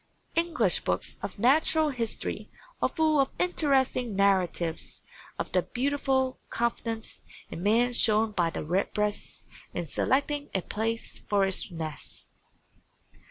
English books of natural history are full of interesting narratives of the beautiful confidence in man shown by the Redbreast in selecting a place for its nest.